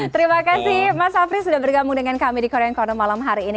terima kasih mas afri sudah bergabung dengan kami di korean corner malam hari ini